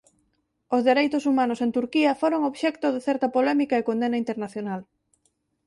Os dereitos humanos en Turquía foron obxecto de certa polémica e condena internacional.